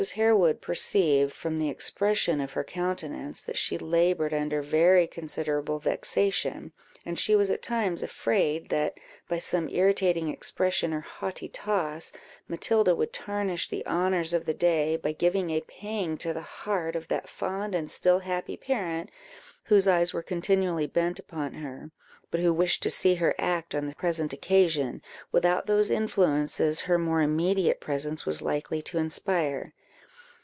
Harewood perceived, from the expression of her countenance, that she laboured under very considerable vexation, and she was at times afraid that, by some irritating expression or haughty toss, Matilda would tarnish the honours of the day, by giving a pang to the heart of that fond and still happy parent, whose eyes were continually bent upon her, but who wished to see her act on the present occasion, without those influences her more immediate presence was likely to inspire.